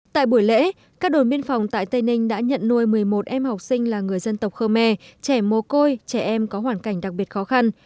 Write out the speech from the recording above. tại buổi lễ các đồn biên phòng tại tây ninh đã nhận nuôi một mươi một em học sinh là người dân tộc khơ me trẻ mô côi trẻ em có hoàn cảnh đặc biệt khó khăn